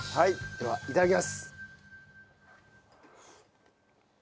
ではいただきます！